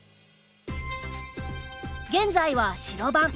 現在は白番。